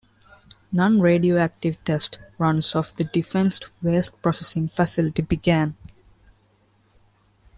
Non-radioactive test runs of the Defense Waste Processing Facility began.